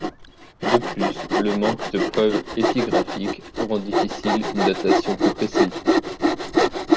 De plus, le manque de preuves épigraphiques rend difficile une datation plus précise.